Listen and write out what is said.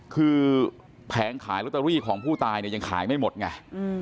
คือแผงขายลอตเตอรี่ของผู้ตายเนี่ยยังขายไม่หมดไง